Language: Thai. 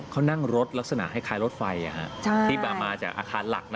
เขานั่งรถลักษณะคล้ายรถไฟที่มาจากอาคารหลัก